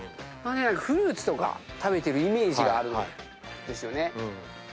フルーツとか食べてるイメージがあるんですよね。